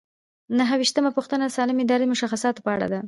نهه ویشتمه پوښتنه د سالمې ادارې د مشخصاتو په اړه ده.